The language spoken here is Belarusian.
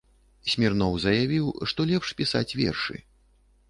Смірноў заявіў, што лепш пісаць вершы.